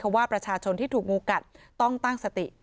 เพราะว่าประชาชนที่ถูกงูกัดต้องตั้งสติ